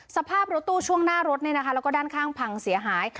สภาพรถตู้ช่วงหน้ารถแล้วก็ด้านข้างพังเสียหาย